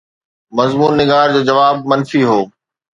مضمون نگار جو جواب منفي هو.